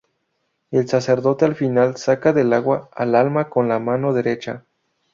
El sacerdote al final saca del agua al alma con la mano derecha.